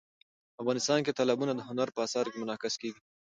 افغانستان کې تالابونه د هنر په اثار کې منعکس کېږي.